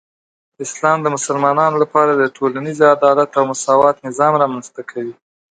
اسلام د مسلمانانو لپاره د ټولنیزې عدالت او مساوات نظام رامنځته کوي.